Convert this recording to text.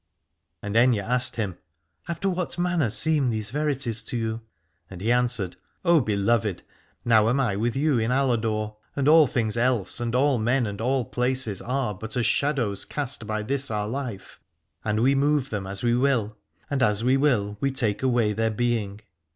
And Aithne asked him : After what manner seem these verities to you ? And he an swered : O beloved, now am I with you in Aladore, and all things else and all men and all places are but as shadows cast by this our life, and we move them as we will, and as we will we take away their being.